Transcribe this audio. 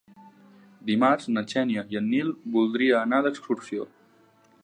Dimarts na Xènia i en Nil voldria anar d'excursió.